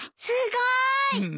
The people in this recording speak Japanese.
すごい！